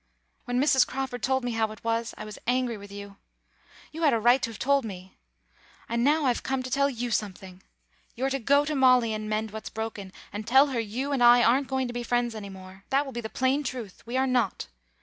When Mrs. Crawford told me how it was I was angry with you. You had a right to have told me. And now I've come to tell you something. You're to go to Molly and mend what's broken, and tell her you and I aren't going to be friends any more. That will be the plain truth. We are not.